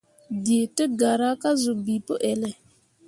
Dǝǝ tǝ gara ka zuu bii pǝ elle.